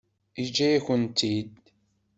Yeǧǧa-yak-tent-id.